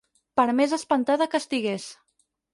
Per més espantada que estigués.